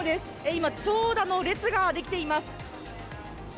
今、長蛇の列が出来ています。